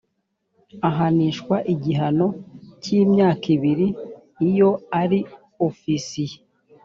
ahanishwa igihano cyimyaka ibiri iyo ari ofisiye